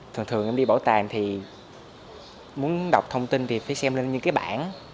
thường thường em đi bảo tàng thì muốn đọc thông tin thì phải xem lên những cái bản